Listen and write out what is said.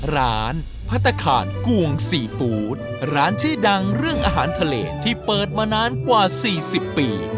ร้านพัฒนาคารกวงซีฟู้ดร้านชื่อดังเรื่องอาหารทะเลที่เปิดมานานกว่า๔๐ปี